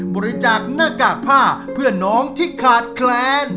บริจาคหน้ากากผ้าเพื่อนน้องที่ขาดแคลน